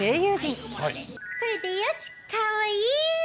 それでよし、かわいい！